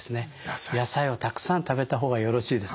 野菜をたくさん食べた方がよろしいですね。